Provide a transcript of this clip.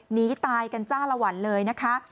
หนีตายกันจ้าละวันเลยนะคะ